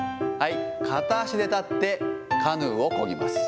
片足で立って、カヌーを漕ぎます。